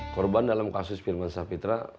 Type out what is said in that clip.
korban dalam kasus firman sapitra